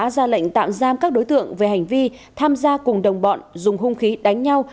giam các đối tượng về hành vi tham gia cùng đồng bọn dùng hung khí đánh nhau